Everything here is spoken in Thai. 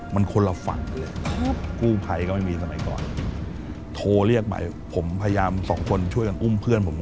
มันคนละฝั่งเลยครับกู้ภัยก็ไม่มีสมัยก่อนโทรเรียกไปผมพยายามสองคนช่วยกันอุ้มเพื่อนผม